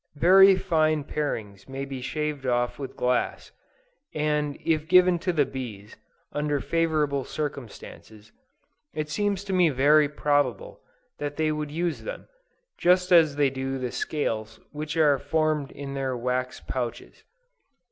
Very fine parings may be shaved off with glass, and if given to the bees, under favorable circumstances, it seems to me very probable that they would use them, just as they do the scales which are formed in their wax pouches.